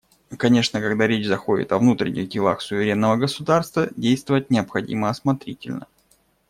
Конечно, когда речь заходит о внутренних делах суверенного государства, действовать необходимо осмотрительно.